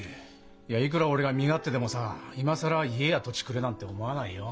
いやいくら俺が身勝手でもさ今更「家や土地くれ」なんて思わないよ。